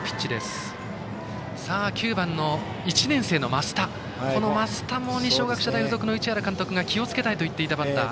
この増田も二松学舎大付属の市原監督が気をつけたいと言っていたバッター。